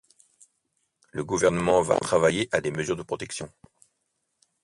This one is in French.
Le gouvernement va travailler à des mesures de protection.